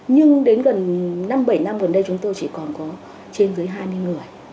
nhưng đến gần năm bảy năm gần đây chúng tôi chỉ còn có trên dưới hai mươi người